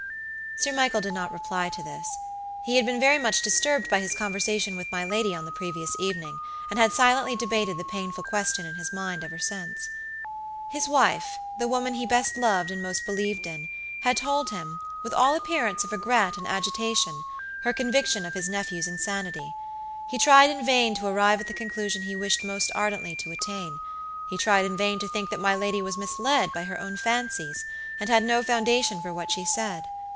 Sir Michael did not reply to this. He had been very much disturbed by his conversation with my lady on the previous evening, and had silently debated the painful question, in his mind ever since. His wifethe woman he best loved and most believed inhad told him, with all appearance of regret and agitation, her conviction of his nephew's insanity. He tried in vain to arrive at the conclusion he wished most ardently to attain; he tried in vain to think that my lady was misled by her own fancies, and had no foundation for what she said.